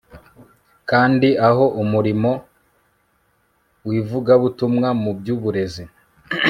kandi aho umurimo wivugabutumwa mu byuburezi